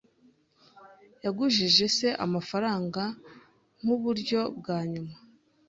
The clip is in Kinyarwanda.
Yagujije se amafaranga nkuburyo bwa nyuma.